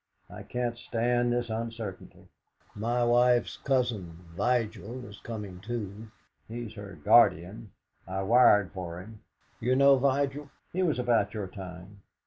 I can't stand this uncertainty. My wife's cousin Vigil is coming too he's her guardian. I wired for him. You know Vigil? He was about your time."